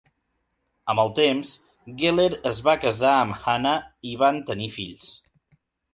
Amb el temps, Geller es va casar amb Hannah i van tenir fills.